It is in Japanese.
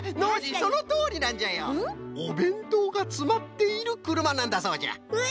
おべんとうがつまっているくるまなんだそうじゃ。え！